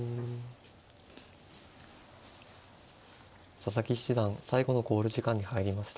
佐々木七段最後の考慮時間に入りました。